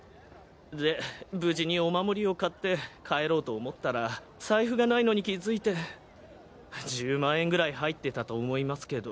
で無事にお守りを買って帰ろうと思ったら財布がないのに気づいて１０万円ぐらい入ってたと思いますけど。